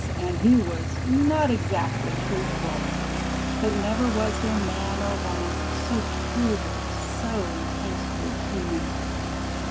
And he was not exactly truthful; But never was there man or woman So truly, so intensely human!